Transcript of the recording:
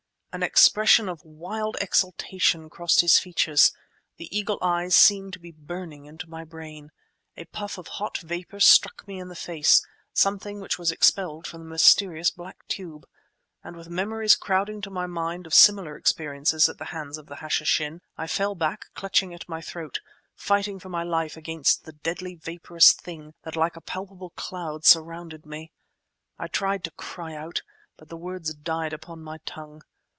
An expression of wild exultation crossed his features; the eagle eyes seemed to be burning into my brain. A puff of hot vapour struck me in the face—something which was expelled from the mysterious black tube. And with memories crowding to my mind of similar experiences at the hands of the Hashishin, I fell back, clutching at my throat, fighting for my life against the deadly, vaporous thing that like a palpable cloud surrounded me. I tried to cry out, but the words died upon my tongue.